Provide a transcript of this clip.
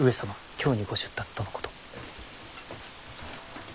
京にご出立とのこと。